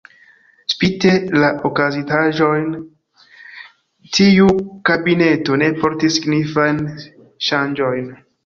Spite la okazintaĵojn, tiu kabineto ne portis signifajn ŝanĝojn.